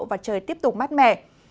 và trời tiếp tục mát mẻ